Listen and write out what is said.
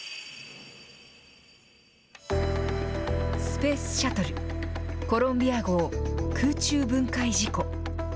スペースシャトル・コロンビア号、空中分解事故。